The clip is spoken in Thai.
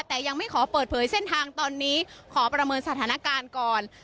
แต่ยังไม่ขอเปิดเผยเส้นทางตอนนี้ขอประเมินสถานการณ์ก่อน